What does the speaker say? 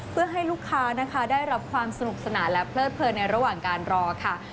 เพื่อให้ลูกค้านะคะได้รับความสนุกสนานและเพลิดเพลินในระหว่างการรอค่ะ